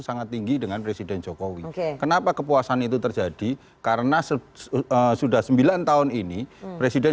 sangat tinggi dengan presiden jokowi kenapa kepuasan itu terjadi karena sudah sembilan tahun ini presiden